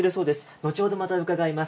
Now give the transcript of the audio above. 後ほどまた伺います。